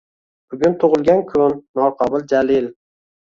Bugun tug‘ilgan kun – Norqobil Jalilng